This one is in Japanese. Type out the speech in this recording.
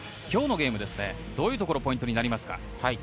今日のゲームどういうところがポイントになりますか？